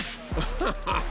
ハハハ！